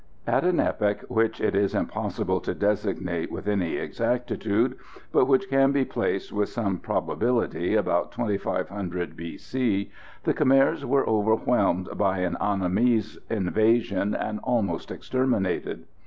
At an epoch which it is impossible to designate with any exactitude, but which can be placed with some probability about 2,500 B.C., the Kmers were overwhelmed by an Annamese invasion, and almost exterminated.